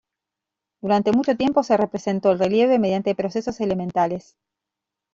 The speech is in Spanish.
Durante mucho tiempo se representó el relieve mediante procesos elementales.